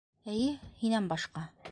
Эйе, һинән башҡа.